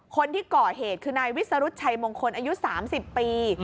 คนที่ก่อเหตุคือนายวิสรุธชัยมงคลอายุ๓๐ปี